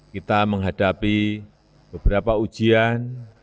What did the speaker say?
kita menghadapi beberapa ujian